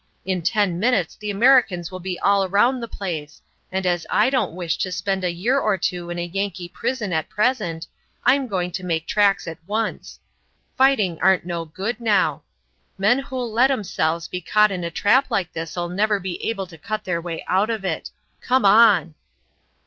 In ten minutes the Americans will be all round the place, and as I don't wish to spend a year or two in a Yankee prison at present, I'm going to make tracks at once. Fighting aren't no good now. Men who'll let 'emselves be caught in a trap like this'll never be able to cut their way out of it. Come on!"